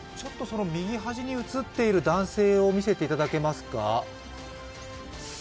右端に映ってる男性を見せていただけますか？